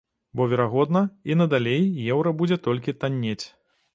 Бо, верагодна, і надалей еўра будзе толькі таннець.